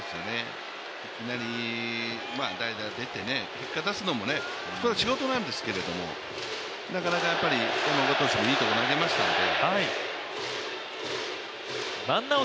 いきなり代打で出て、結果出すのも仕事なんですけど、なかなかやっぱりいいところ投げましたので。